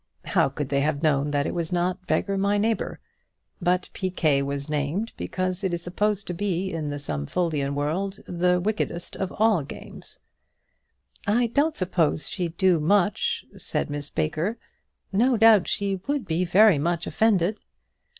How could they have known that it was not beggar my neighbour? But piquet was named because it is supposed in the Stumfoldian world to be the wickedest of all games. "I don't suppose she'd do much," said Miss Baker; "no doubt she would be very much offended."